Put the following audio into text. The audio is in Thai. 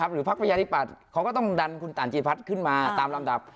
หรือพรรคพญาติภัทธ์เขาก็ต้องดันคุณต่านจิตภัทธ์ขึ้นมาตามลำดับ